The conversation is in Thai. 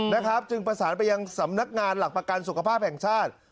นะครับจึงประสานไปยังสำนักงานหลักประกันสุขภาพแห่งชาติ